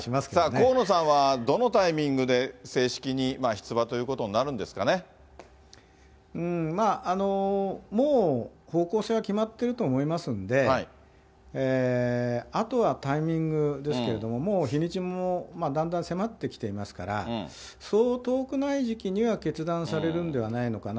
河野さんは、どのタイミングで正式に出馬ということになるんもう、方向性は決まってると思いますんで、あとはタイミングですけれども、もう日にちもだんだん迫ってきていますから、そう遠くない時期には決断されるんではないのかな。